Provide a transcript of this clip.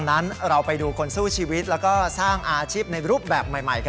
และก็สร้างอาชีพในรูปแบบใหม่